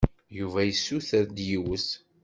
Yuba yessuter-d yiwet.